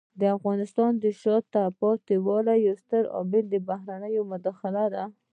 د افغانستان د شاته پاتې والي یو ستر عامل بهرنۍ مداخلې دي.